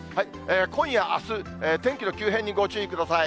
今夜、あす、天気の急変にご注意ください。